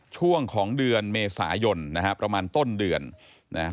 ช่วงของเดือนเมษายนนะฮะประมาณต้นเดือนนะฮะ